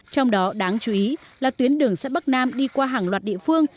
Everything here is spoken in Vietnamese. trong đó đáng chú ý là tuyến đường sắt bắc nam đi qua hàng loạt địa phương